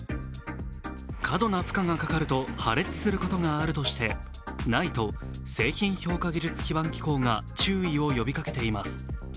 過度な負荷がかかると破裂することがあるとしてＮＩＴＥ＝製品評価技術基盤機構が注意を呼びかけています。